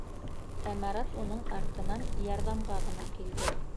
Ә Марат уның артынан ярҙамға ғына килде.